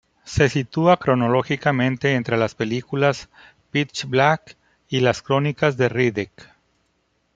Se sitúa cronológicamente entre las películas "Pitch Black" y "Las crónicas de Riddick".